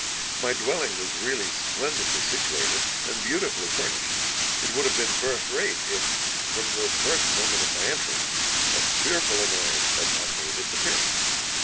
My dwelling was really splendidly situated, and beautifully furnished; it would have been first rate, if, from the first moment of my entrance, a fearful annoyance had not made its appear ance.